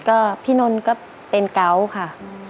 ก็พี่นนท์ก็เป็นเกาะค่ะ